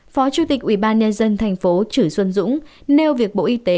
phó chủ tịch ủy ban nhân dân thành phố chửi xuân dũng nêu việc bộ y tế